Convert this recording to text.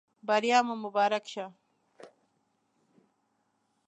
بریا مو مبارک شه.